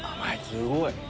すごい。